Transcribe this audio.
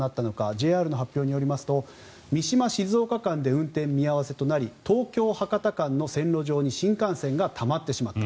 ＪＲの発表によりますと三島静岡間で運転見合わせとなり東京博多間の線路上に新幹線がたまってしまった。